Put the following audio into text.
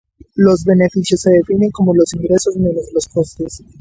Los beneficios se definen como los ingresos menos los costes.